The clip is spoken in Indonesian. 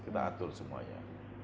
kita atur semuanya